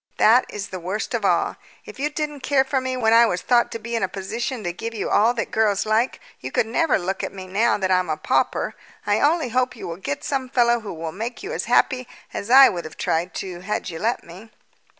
That is the worst of all. If you didn't care for me when I was thought to be in a position to give you all that girls like, you could never look at me now that I'm a pauper. I only hope you will get some fellow who will make you as happy as I would have tried to had you let me."